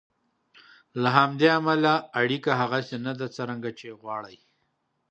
له همدې امله اړیکه هغسې نه ده څرنګه چې یې غواړئ.